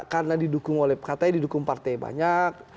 karena didukung oleh katanya didukung partai banyak